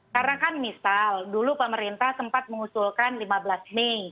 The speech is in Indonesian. karena kan misal dulu pemerintah sempat mengusulkan lima belas mei